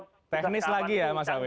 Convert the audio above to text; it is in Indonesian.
lebih teknis lagi ya mas awi